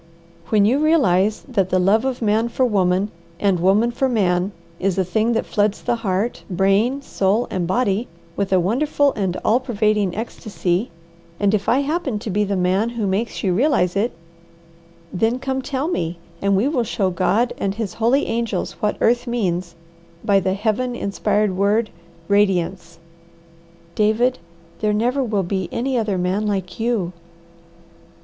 When you realize that the love of man for woman, and woman for man, is a thing that floods the heart, brain, soul, and body with a wonderful and all pervading ecstasy, and if I happen to be the man who makes you realize it, then come tell me, and we will show God and His holy angels what earth means by the Heaven inspired word, 'radiance.'" "David, there never will be any other man like you."